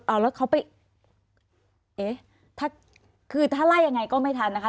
อ่าแล้วเขาไปเอ๊ะถ้าไล่ยังไงก็ไม่ทันนะครับ